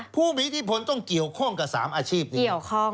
ผู้มีอิทธิพลต้องเกี่ยวข้องกับ๓อาชีพนี้เกี่ยวข้อง